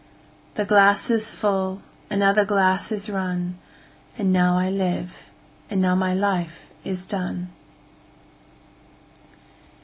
17The glass is full, and now the glass is run,18And now I live, and now my life is done.